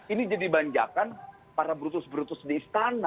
ini jadi banjakan para brutus brutus di istana